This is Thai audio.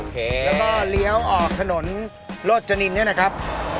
แล้วก็เลี้ยวออกถนนโรจนินเนี่ยนะครับ